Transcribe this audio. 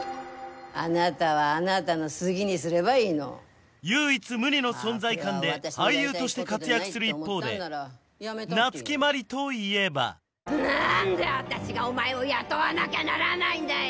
あなたはあなたの好きにすればいいの唯一無二の存在感で俳優として活躍する一方で夏木マリといえば何で私がお前を雇わなきゃならないんだい！